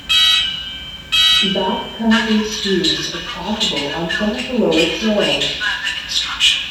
Backcountry skiing is possible on some of the lower trails.